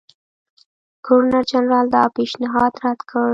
ګورنرجنرال دا پېشنهاد رد کړ.